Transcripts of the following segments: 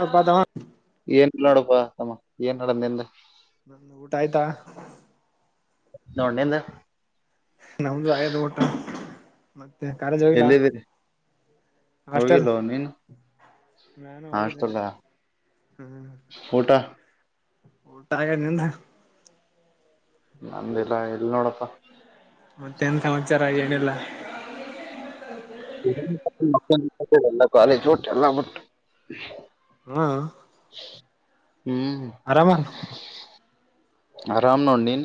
ಹಪಾದವ ಏನ್ ನೋಡಪ್ಪ ಅಮ್ಮ ಏನ್ ನಡಮ್ದಿಂದ ನ ಊಟ ಆಯ್ತಾ ನೋಡ್ಣಿಂದ ನಮ್ದು ಆಯದು ಊಟ ಮತ್ತೆ ಕಾಲೇಜ್ ಹೋಗಿಲ್ಲ ಎಲ್ಲಿದ್ದೀರಿ ಹಾಸ್ಟೆಲ್ ಹೋಗಿಲ್ಲ ನೀನ್ ನಾನು ಹೋಗಿಲ್ಲಣ ಅಷ್ಟಲ್ಲ ಹ್ಮ್ ಊಟ ಊಟ ಆ ನಿಂದು ನಂದಿಲ್ಲ ಎಲ್ ನೋಡಪ್ಪ ಮತ್ತೆನ್ ಸಮಾಚಾರ ಯೆನ್ ಏಲ್ಲ ಲ್ಲ ಕಾಲೇಜ್ ಟ್ಟ ಎಲ್ಲ ಬಿಟ್ಟು ಹ್ಮ ಹ್ಮ್ ಆರಾಮ ನೋಡ ನೀ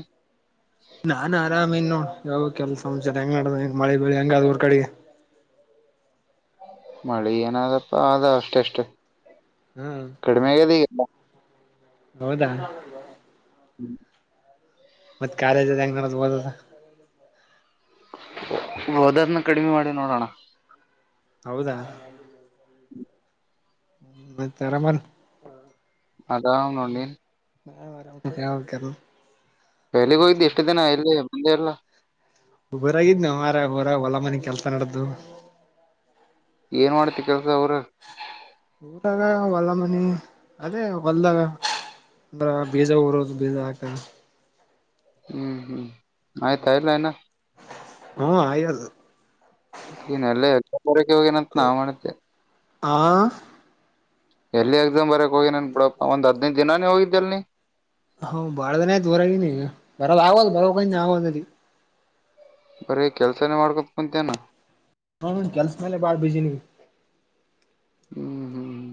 ನಾನ್ ಆರಾಮ್ ಇನ್ನು ಯಾವ ಕೆಲ್ಸಚಾರ ಹೆಂಗ ನಡ್ದ ಮಳೆ ಬಳಿ ಹೆಂಗ ಅದು ಹೊರ್ ಕಡೆಗೆ ಮಳೆ ಏನಾದಪ್ಪ ಆದ ಅಷ್ಟೆಷ್ಟು ಹ್ಮ್ ಕಡಮೆಗದ ಹೌದಾ ಹ್ಮ್ ಮತ್ತ್ ಕಾಲೇಜ್ ಅದು ಹೆಂಗ್ ನಡದದ ಹೋದಾರ್ನ ಕಡಿಮೆ ಮಾಡಿ ನೋಡಣ್ಣ ಹೌದಾ ಮತ್ತೆ ಆರಾಮನ್ ಅದಾವ್ ನೋಡ್ಲೆ ಅದ್ಯಾವ್ಕದು ಎಲ್ಲಿಗ್ ಹೋಗಿದ್ದಿ ಇಷ್ಟ್ ದಿನ ಎಲ್ಲಿ ಬಂದೆ ಇಲ್ಲ ಊರಾಗಿದ್ನೋ ಮಾರಾಯ್ ಊರಾಗ್ ಹೊಲ ಮನಿ ಕೆಲ್ಸ ನಡದ್ದು ಏನ್ ಮಾಡ್ತಿ ಕೆಲ್ಸ ಊರಲ್ ಊರಾಗ ಹೊಲ ಮನಿ ಅದೇ ಹೊಲ್ದಾಗ ಅಂದ್ರ ಬೀಜ ಊರದು ಬೀಜ ಹಾಕದು ಹ್ಮ್ ಹ್ಮ್ ಆಯ್ತ ಇಲ್ಲ ಇನ್ನ ಹ್ಮ ಆಯದು ನೀನ್ ಅಲ್ಲೇ ಇರ್ ಊರಿಕೆ ಹೋಗ್ಯಾನ ಅಂತ್ ನಾ ಮಾಡಿದ್ದೆ ಆ ಎಲ್ಲಿ ಎಕ್ಸಾಮ್ ಬರಿಯಾಕ್ ಹೋಗಿ ನನ್ ಬಿಡಪ್ಪ ಒಂದ್ ಹದ್ನೈದು ದಿನಾನೇ ಹೋಗಿದ್ದಲ್ ನೀ ಹೌ ಬಾಳ ದಿನ ಆಯ್ತು ಊರಾಗೀನಿ ಬರಲ್ಲಾವದ್ ಬರ [unintelligible] ಬರೀ ಕೆಲ್ಸಾನೇ ಮಾಡ್ಕೊಂತ ಕುಂತೇನಾ ಹೂಂ ಕೆಲ್ಸದ್ ಮೇಲೆ ಬಾಳ್ ಬಿಜಿ ನೀ ಹ್ಮ್ ಹ್ಮ್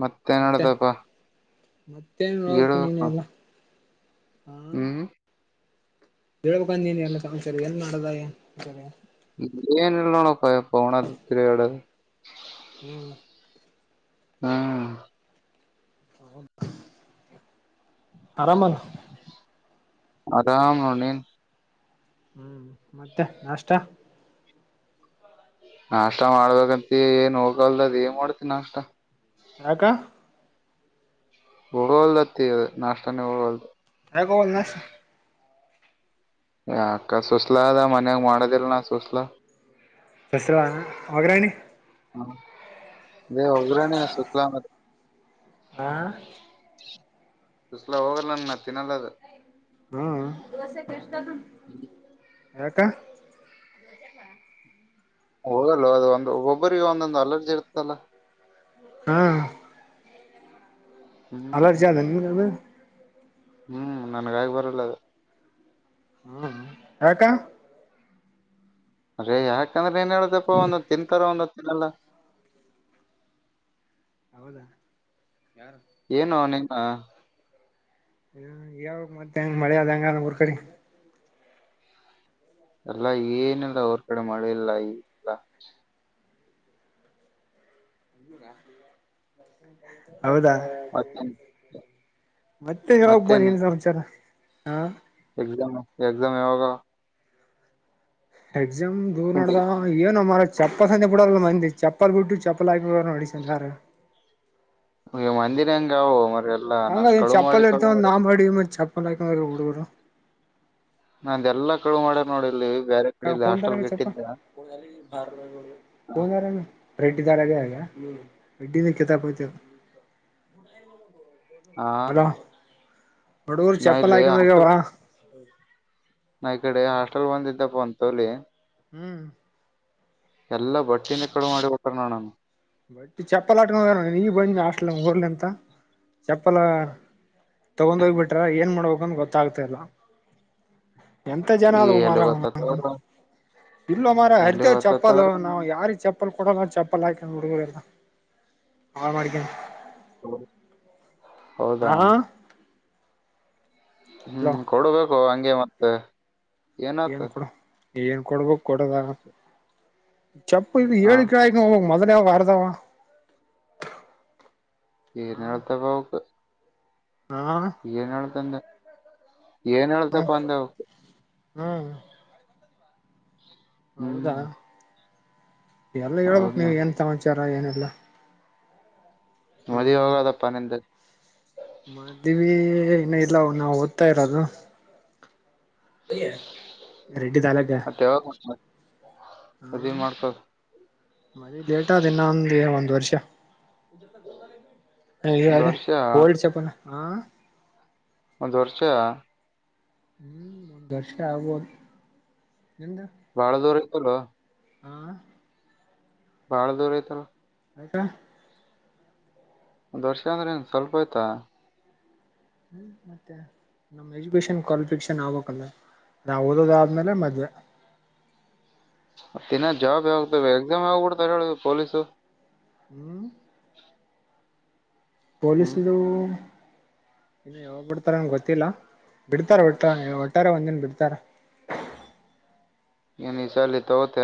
ಮತ್ತೇನ್ ಮತ್ತೆ ನಡ್ತಪ್ಪ ಮತ್ತೇನ್ ನೋಡ್ಬೇಕು ನೀನೆ ಹೇಳ್ಬೇಕ ಎಲ್ಲ ಹಾ ಹ್ಮ್ ಹೇಳ್ಬೇಕ ನೀನೇ ಎಲ್ಲಾ ಸಮಾಚಾರ ಏನ್ ಮಾಡುದ ಏನ್ ಏನಿಲ್ಲ ನೋಡಪ್ಪ ಎಪ್ಪವಣದು ತಿರ್ಗಾಡದು. ಹ್ಮ್ ಹಾ [unintelligible] ಆರಾಮಲ ಆರಾಮ್ ನೋಡ್ ನೀನು ಹ್ಮ್ ಮತ್ತೆ ನಾಷ್ಟ ನಾಷ್ಟ ಮಾಡ್ಬೇಕಂತ ಏನ್ ಹೋಗಲ್ದ ಅದೇನು ಮಾಡ್ತಿ ನಾಷ್ಟ ಯಾಕ ಹೋಗವಲ್ದತ್ತಿ ನಾಷ್ಟನೇ ಹೋಗವಲ್ದು ಯಾಕೋಗಲ್ಲ ನಾಷ್ಟ್ ಯಾಕ್ಕ ಸುಸ್ಲ ಅದ ಮನ್ಯಾಗ ಮಾಡೋದಿಲ್ಲ ನ ಸುಸ್ಲ ಹೆಸ್ರಾ ಒಗ್ರಣಿ ಹಾ ಲೆ ಒಗ್ಗರಣೆ ಹಾಕ್ ಸುಸ್ಲಾ ಮಾಡ್ ಹಾ ಸುಸ್ಲ ಹೋಗಲ್ಲನ್ನ ನಾ ತಿನ್ನಲ್ಲದು ಹ್ಮ ದೋಸೆಗ್ ಎಷ್ಟ್ ತಗಂಡ್ರ್ ಯಾಕ ಹೋಗಲ್ಲ ಅದು ಒಂದು ಒಬ್ಬರಿಗೆ ಒಂದೊಂದು ಅಲರ್ಜಿ ಇರ್ತಲ್ಲ ಹ್ಮ ಹ್ಮ್ ಅಲರ್ಜಿ ಅದು ನಿನಗೆ ಅದು ಹ್ಮ್ ನನಗೆ ಆಗಿ ಬರಲ್ಲ ಅದು ಹ್ಮ್ ಯಾಕ್ಕ ರೇ ಯಾಕಂದ್ರೆ ಏನ್ ಹೇಳುದಪ್ಪ ಒಂದು ತಿಂತಾರ ಒಂದು ಇಲ್ಲಲ್ಲ ಹೌದಾ ಯಾರ ಏನು ನೀನು ಹ ಯಾವಾಗ ಮತ್ತೆ ಹೆಂಗ ಮಳೆ ಅದ ಹೆಂಗ ಊರ್ ಕಡೆ ಅಲ್ಲಾ ಏನಿಲ್ಲ ಅವರ್ ಕಡೆ ಮಳೆ ಇಲ್ಲ ಏನ್ ಈಲ್ಲ ಹ [inaudible] ಹೌದಾ ಮತ್ತೇನ್ ಮತ್ತೆ ಹೇಳ್ಬೇಕಪ್ಪ ಮತ್ತೇನ್ ಏನ್ ಸಮಾಚಾರ ಹಾ ಎಕ್ಸಾಮ್ ಎಕ್ಸಾಮ್ ಯಾವೋಗ ಎಕ್ಸಾಮ್ ಯಾವಾಗ [inaudible] ದೊಡ್ಡದಾನ್ ಅಂದ್ರೆ [inaudible] ಚಪ್ಪಲ್ ಸಮೇತ ಬಿಡಲ್ಲ ಮಂದಿ ಚಪ್ಪಲ್ ಬಿಟ್ಟು ಚಪ್ಪಲ್ ಹಾಕಿ ಹೋದರು ಮಂದಿನೆ ಅಂಗ ಹಂಗ ಚಪ್ಪಲ್ ಇರ್ತಾವಂತ ನಾವು ಮಾಡಿವಿ ಚಪ್ಪಲಾಕಂಗ ಹುಡುಗರು ನಂದೆಲ್ಲಾ ಕಳು ಮಾಡ್ಯಾರ ನೋಡಿ ಇಲ್ಲಿ ಬ್ಯಾರೆ ಕಡೆ ಇಲ್ಲಿ ಹಾಸ್ಟೆಲ್ ತಾರ ಚಪ ಇಟ್ಟಿದ್ದೆ ದಾರ ರೆಡ್ಡಿ ದಾರಗೆ [inaudible] ಅಡ್ಡಿನ ಕೆತಾಪಯತ ಹಾ ಹುಡುಗೂರು ಚಪ್ಪಲ್ ಹಾಕಂದಾಗವಾ ನಾನ್ ಈ ಕಡೆ ಹಾಸ್ಟೆಲ್ ಬಂದ ಇದಿದ್ದಪ್ಪ ಅಂತ ತಗೊಳ್ಳಿ ಹ್ಮ್ ಎಲ್ಲಾ ಬಟ್ಟೆನ ಕಳವು ಮಾಡಿ ಬಿಟ್ಟಾರ ನನಾವು ಬಟ್ಟಿ ಚಪ್ಪಲ್ ಹಕೋಂಡ ನನವು ಈಗ ಬಂದಿನಿ ಹಾಸ್ಟೆಲ್ ಊರ ಲ್ಲಿಂತ ಚಪ್ಪಲ ತಗೊಂಡೋಗ್ಬಿಟ್ರ ಏನ್ ಮಾಡ್ಬೇಕಂತ ಗೊತ್ತಾಗ್ತ ಇಲ್ಲ ಎಂತ ಜನ ಆದ ಮಾರ ಎಲ್ಲಿ ಗೊತ್ತತ್ತವ್ರ ಇಲ್ಲ ಮಾರ ಎಲ್ಲಿ ಅರಿತೇವ್ ಚಪ್ಪಲ್ ಗೊತ್ತತ್ತವ್ರ ನಾವು ಯಾರಿ ಚಪ್ಪ ಕೊಡ ಚಪ್ಪಲ ಹಾಕಿ ನಮ್ಮ ಹುಡುಗುರಲ್ಲ ಆಳ ಮಾಡಡ ಹ್ಮ ಹೌದ ಹಾ ಅಲೋ ಹ್ಮ್ ಕೊಡಬೇಕು ಓ ಹಂಗೆ ಮತ್ತೆ ಏನಾತು? ಏನ್ ಕೊಡ ಏನ್ ಕೊಡ್ಬೇಕ್? ಕೊಡದ ಚಪ್ಪಲಿದ್ ಹಾ ಹೇಳಿ ಕೇಳಿ ಹೋಗ್ ಮಜಾ ಇಲ್ಲೇ ಅವ ಅರದಾವ. ಏನ್ ಹೇಳ್ತವ ಅವುಕ ಹಾ ಏನ್ ಹೇಳ್ತಂದೆ? ಏನ್ ಹ್ಮ ಹೇಳ್ತಪ್ಪ ಅಂದೆ ಅವುಕ್? ಹ್ಮ್ ಹೌದಾ? ಹ್ಮ್ ಎಲ್ಲ ಹೇಳ್ಬೇಕ್ ಹೌದ್ನ ನೀವ್ ಏನ್ ಸಮಾಚಾರ ಏನ್ ಇ ಲ್ಲ ಮದುವಿ ಯಾವಾಗ್ ಆದಪ್ಪ ನಿಂದು? ಮದುವಿ ಏ ಇನ್ನ ಇಲ್ಲ ಹೋಗ್ ನಾವ್ ಓದ್ತಾ ಇರೋದು. ರೆಡ್ಡಿದ್ ಆಗೈತಿ. ಮತ್ತ ಯಾವಾಗ ಮದ್ವಿ ಹಾಂ ಮಾಡ್ಕೋ ಮನೇಲ್ ಲೇಟ್ ಆದ ಇನ್ನೊಂದ್ ಏ ಒಂದ್ ವರ್ಷ [unintelligible] ಒಂದ್ ಇದರಲದೇ ವರ್ಷ ಓಲ್ಡ್ ಚಪ್ಪಲ್ಲ ಹಾಂ ಒಂದ್ ವರ್ಷ ಹ್ಮ್ ದರ್ಷಾಗ್ಬೋದು ಬಾಳ ದೂರ [unintelligible] ಆ ಬಹಳ ದೂರ ಐತಲ್ಲ ಮತ್ತೇ ಒಂದ್ ವರ್ಷ ಅಂದ್ರೆ ಸ್ವಲ್ಪ ಆಯ್ತಾ? ಹ್ಮ ಮತ್ತೆ ನಮ್ ಎಜುಕೇಶನ್ ಕ್ವಾಲಿಫಿಕೇಶನ್ ಆಗ್ಬೇಕಲ್ಲ ನಾ ಓದೋದ ಆದ್ಮೇಲೆ ಮದ್ವೆ. ತ್ತಿನ ಜಾಬ್ ಯಾವತ ಎಕ್ಸಾಮ್ ಆಗ್ಬಿಡ್ತಾವ ಹೇಳ ಪೊಲೀಸು. ಹ್ಮ್ ಹ್ಮ್ ಪೊಲೀಸ್ದು ಇನ್ನು ಯಾವಾಗ್ ಬಿಡ್ತಾರ ನಂಗ್ ಗೊತ್ತಿಲ್ಲ. ಬಿಡ್ತಾರೆ ಒಟ್ಟ್ರ ಒಟ್ಟಾರೆ ಒಂದನ್ ಬಿಡ್ ತ್ತರ. ಈನ ಚಾಲಿತ ಹೊತ.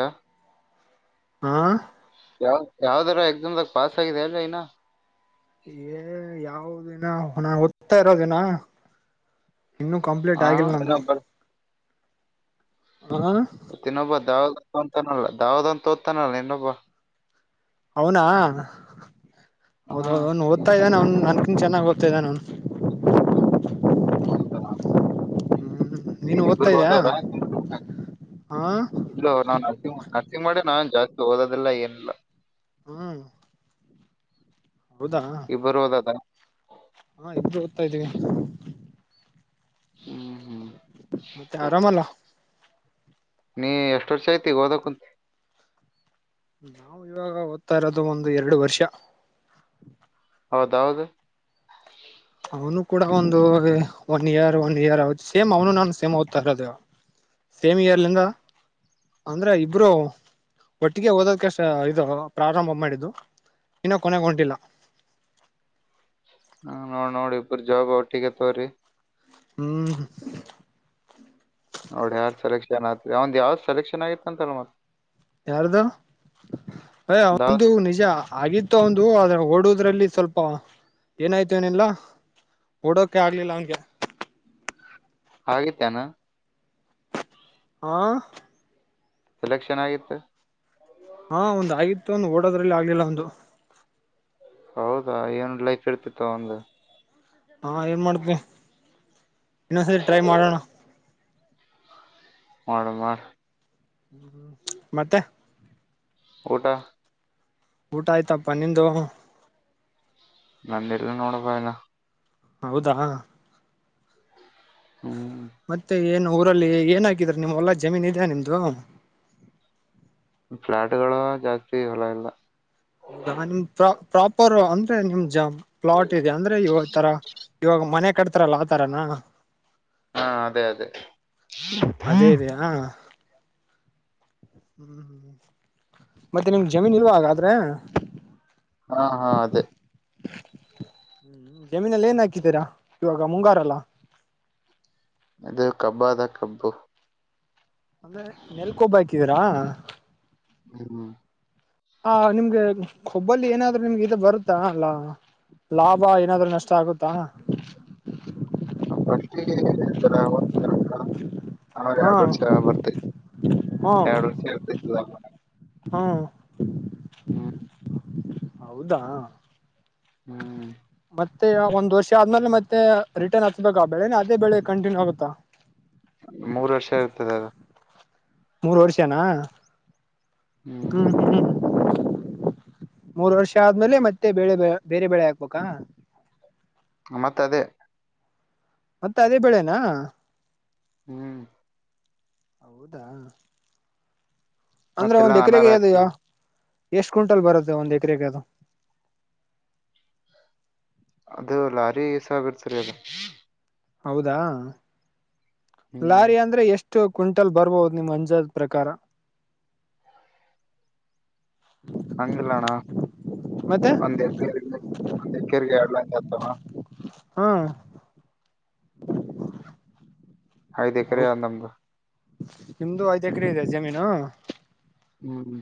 ಹಾ. ಯಾವ ಯಾವ್ದಾರ ಎಕ್ಸಾಮ್್ದಾಗ ಪಾಸ್ ಆಗಿದೆ ಅಲ್ ಇನ್ನ. ಏ ಯಾವ ದಿನ ನಾ ಓದ್ತಾ ಇರೋದಿನ. ಇನ್ನುೂ ಕಂಪ್ಲೀಟ್ ಹಾ ಆಗಿಲ್ಲ ನಂದು. ಇನ್ನೊಬ್ಬ ಹ ತಿನ್ನೊ ಬದ. ತೋತಾನಲ್ಲ ದಾವ್ದ ಅಂತ ತೋದ್ತಾನಲ್ಲ ಇನ್ನೊಬ್ಬ. ಹೌನಾ. ಹಾ ಹೌದೌದು ಅವ್ನು ಓದ್ತಾ ಇದ್ದಾನ ಅವನ್ ನನ್. ಇ ಚೆನ್ನಾಗಿ ಹೋಗ್ತಾದ್ದ ನಾನು. ಹೌದಾ ನೀನು ಓದ್ತಾ ಇದ್ಯಾ ಹೋದವ್ರ ಹಾ ಇಲ್ಲ ಅವ ನಾನ್ ನರ್ಸಂಗ ನರ್ಸಿಂಗ್ ಮಾಡೇ ನಾನ್. ಜಾಸ್ತಿ ಓದೋದಿಲ್ಲ ಏನಿಲ್ಲ. ಹ್ಮ್. ಹೌದಾ ಇಬ್ಬರು ಒದೋದ ಅದಾ. ಹಾ ಇಬ್ರು ಓದ್ತಾ ಇದ್ದೀವಿ. ಹ್ಮ್ ಹ್ಮ್. ಮತ್ತೆ ಆರಾಮಲ್ಲ ನೀ ಎಷ್ಟ ವರ್ಷ ಐತಿ ಹೋದಕ್ಕಂತ ನಾವು ಇವಾಗ ಓದ್ತಾ ಇರೋದು ಒಂದು ಎರಡು ವರ್ಷ. ಹೌದೌದು. ಅವನು ಕೂಡ ಒಂದು one year one year same ಅವನು ನಾನು ಸೇಮ್ ಓದ್ತಾ ಇರೋದೇವ ಸೇಮ್ ಇಯರ್ಲಿಂದ ಅಂದ್ರೆ ಇಬ್ರು ಒಟ್ಟಿಗೆ ಓದೋದಕಷ್ಟ ಇದು ಪ್ರಾರಂಭ ಮಾಡಿದ್ದು ಇನ್ನ ಕೊನೆಗ ಹೊಂಟಿಲ್ಲ. ಹ ನೋಡ್ ನೋಡಿ ಇಬ್ರ ಜಾಬ್ ಒಟ್ಟಿಗೆ ತವ್ರಿ. ಹ್ಮ್ ನೋಡಿ ಯಾರ್ ಸೆಲೆಕ್ಷನ್ ಆತ್ರಿ ಅವ ಒಂದ್ ಯಾವ್ದ್ ಸೆಲೆಕ್ಷನ್ ಆಗಿತ್ತ ಅಂತಲ್ಲ ಮತ್ತ ಯಾರ್ದು ಯ್ ದಾವ್ ಅವಂದು ನಿಜ ಆಗಿತ್ತು ಒಂದು ಅದ್ರ ಓಡುದು. ದ್ರಲ್ಲಿ ಸ್ವಲ್ಪ ಏನಾಯ್ತು ಏನಿಲ್ಲ ಓಡೋಕೆ ಆಗ್ಲಿಲ್ಲ ಅವಂಗೆ ಹಾಗತೇನಾ ಹಾ ಸೆಲೆಕ್ಷನ್ ಆಗಿತ್ತು ಹಾ ಒಂದ ಆಗತ್ತು ಒಂದು ಓಡೋದ್ರಲ್ಲಿ ಆಗ್ಲಿಲ್ಲ ಒಂದು ಹೌದಾ ಏನು ಲೈಫ್ ಇರ್ತಿತ್ತ ಒಂದು ಹಾ ಏನ್ ಮಾಡ್ತವಿ ಇನ್ನೊಂದ್ಸರಿ ಟ್ರೈ ಮಾಡೋಣ ಮಾಡಡ ಮಾಡ ಹ್ಮ್ ಹ್ಮ್ ಮತ್ತೆ ಊಟಾ ಊಟ ಆಯ್ತಪ್ಪ ನಿದ ನಂದ ಎಲ್ಲ ನೋಡಬ ಎಲ್ಲ ಹೌದಾ ಹ್ಮ್ ಮತ್ತೆ ಏನು ಊರಲ್ಲಿ ಏನಾಗಿದ್ರ ನಿಮ್ಮ್ ಎಲ್ಲಾ ಜಮೀನ್ ಇದ್ಯಾ ನಿಮ್ದು ಫ್ಲಾಟ್ಗಳು ಜಾಸ್ತಿ ಹೊಲ ಇಲ್ಲ ಹೌದಾ ನಿಮ್ ಪ್ರಾ ಪ್ರಾಪರ್ ಅಂದ್ರೆ ನಿಮ್ ಜ ಪ್ಲಾಟ್ ಇದೆ ಅಂದ್ರೆ ಇವ ತರ ಇವಾಗ ಮನೆ ಕಟ್ತಾರಲ್ಲ ಆತರನ. ಹಾ ಅದೇ ಅದೇ. ಅದೇ ಇ ಹಾ ಹ್ಮ್ ಮತ್ತೆ ನಿಮ್ಗೆ ಜಮೀನ್ ಇಲ್ರುವಾಗಾದ್ರೆ. ಹಾ ಹಾ ಅದ. ಹ್ಮ್ ಜಮೀನಲ್ಲ ಏನ್ ಹಾಕಿದ್ದೀರಾ ಇವಾಗ ಮುಂಗಾರಲ್ಲ. ಇದು ಕಬ್ಬ ಅದ ಕಬ್ಬು. ಅಂದ್ರೆ ನೆಲ್ಕೊಬ್ಬ ಹಾಕಿದೀರಾ. ಹ್ಮ ಹ ನಿಮ್ಗೆ ಕೊಬ್ಬಲ್ಲಿ ಏನಾದ್ರೂ ನಿಮ್ಗೆ ಇ ಬರುತ್ತಾ ಅಲ್ಲಾ ಲಾಭ ಏನಾದ್ೂ ನಷ್ಟ ಆಗುತ್ತೆ. ಕುತ್ತ ಅಷ್ಟರ ಹ ಹಾ ಎರಡು ವರ್ಷ ಬರ್ತೈತಿ ಹಾ ಎರಡ್ ವರ್ಷ ಇರ್ತ ಹಾ ಹ್ಮ್. ಹೌದಾ ಹ್ಮ್ ಮತ್ತೆ ಒಂದ್ ವರ್ಷ ಆದ್ಮೇಲೆ ಮತ್ತೆ ರಿಟರ್ನ್ ಹಚ್ಬೇಕ ಬೆಳೆನ ಅದೇ ಬೆಳೆ ಕಂಟಿನ್ಯೂ ಆಗತ್ತಾ. ಮೂರ್ ವರ್ಷ ಇರ್ತದ ಅದು ಮೂರ್ ವರ್ಷನಾ. ಹ್ಮ್ ಹ್ಮ ಮೂರ್ ವರ್ಷ ಆದ್ಮೇಲೆ ಮತ್ತೆ ಬೆಳೆ ಬೇರೆ ಬೆಳೆ ಹಾಕ್ಬೇಕಾ. ಮತ್ತ ಅದೇ. ಮತ್ತೆ ಅದೇ ಬೆಳೆನಾ ಹ್ಮ್ ಹೌದಾ ಅಂದ್ರೆ ಮತ್ತೆಲ್ಲಾ ಒಂದ್ ಅನಾರ ಎಕರೆಗೆ ಅದ್ಯ ಹಾಕ್ತಿವಿ ಎಷ್ಟ್ ಕ್ವಿಂಟಲ್ ಬರುತ್ತೆ ಒಂದು್ ಎಕರೆಗೆ ಅದು ಅದು ಲಾರಿ ಸಬ ಇರ್ತರಿ ಅದು ಹೌದಾ ಹ್ಮ್ ಲಾರಿ ಅಂದ್ರೆ ಎಷ್ಟು ಎಷ್ಟು ಕ್ವಿಂಟಲ್ ಬರ್ಬಹುದು ನಿಮ್ ಅಂಜಾದ ಪ್ರಕಾರ ಹಂಗಿಲ್ಲಣ್ಣ ಮತ್ತೆ ಒಂದ ಎಕ ಒಂದ್ ಎಕಗೆಲ ಹ ಹ್ಮ ಹಯದ ಕರೆ ಅಂದಮದು ನಿಮ್ದು ಐದು ಎಕ್ರ ಇದೆ ಜಮೀನು ಹ್ಮ್್ಮ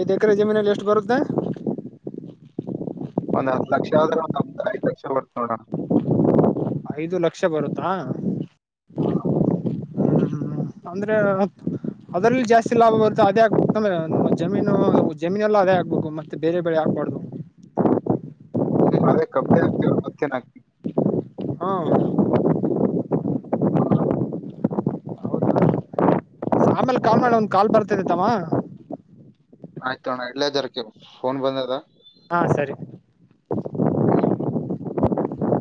ಐದ್ ಎಕರೆ ಜಮೀನಲ್ಲಿ ಎಷ್ಟು ಬರುತ್ತೆ ಒಂದ್ ಹತ್ ಲಕ್ಷ ಆದ್ರೆ ಒಂದ್ ಒ್ ಐದ್ ಲಕ್ಷ ಬರ್ತ ನೋಡ ಐದು ಲಕ್ಷ ಬರುತ್ತಾ ಹಾ ಹ್ಮ್ ಹ್ಮ್ ಅಂದ್ರ ಅದ್ರಲ್ಲಿ ಜಾಸ್ತಿ ಲಾಭ ಬರುತ್ತೆ ಅದೇ ಆಗ್ಬೇಕಂದ್ರೆ ಜಮೀನು ಜಮೀನ್ಲ್ಲಾ ಅದೇ ಆಗ್ಬೇಕು ಮತ್ತೆ ಬೇರೆ ಬರೆ ಆಗ್ಬಾರ್ದು ನಿ ಅದೆ ಕಮ್ಮಿ ಹಾಕ್ತಿವ್ರ ಮಧ್ಯಾಹ್ನ ಹಾಕ್ಕಿ ಹಾ ಹೌ ಆಮೇಲೆ ಕಾಲ್ ಮಾಡಿ ಒಂದ ಕಾಲ್ ಬರ್ತೇನ ತಮ್ಮ ಆಯ್ತೋಣ ಇಡ್ಲ ಜರಾ ಫೋನ್ ಬಂದ್ ಅದ ಹಾ ಸರಿ